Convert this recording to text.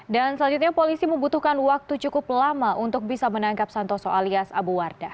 selanjutnya polisi membutuhkan waktu cukup lama untuk bisa menangkap santoso alias abu wardah